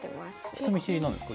人見知りなんですか？